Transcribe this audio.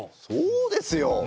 そうですよ。